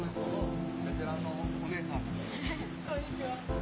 こんにちは。